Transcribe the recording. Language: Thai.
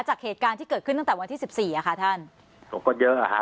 จากเหตุการณ์ที่เกิดขึ้นตั้งแต่วันที่สิบสี่อ่ะค่ะท่านผมก็เยอะอ่ะฮะ